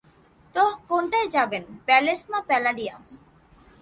তো কোনটায় যাবেন, প্যালেস না প্যালাডিয়াম?